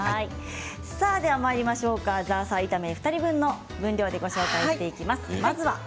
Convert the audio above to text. ザーサイ炒め２人分の分量でご紹介していきます。